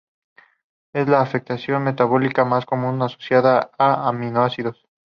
Es la afección metabólica más común asociada a aminoácidos.